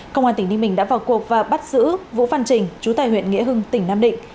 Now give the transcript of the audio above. công an tỉnh ninh bình đã vào cuộc và bắt giữ vũ văn trình chú tại huyện nghĩa hưng tỉnh nam định